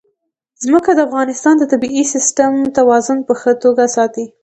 ځمکه د افغانستان د طبعي سیسټم توازن په ښه توګه ساتي.